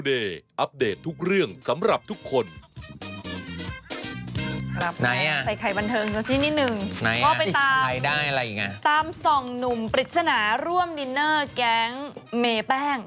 ตามส่องหนุ่มปริศนาร่วมดินเนอร์แก๊งเมแป้ง